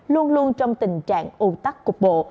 luôn luôn trong tình trạng ủng tắc cục bộ